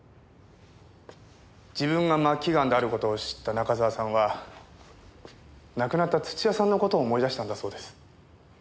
自分が末期がんである事を知った中沢さんは亡くなった土屋さんの事を思い出したんだそうです。